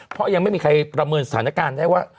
เพราะยังไม่มีใครประเมินสถานการณ์ได้ว่า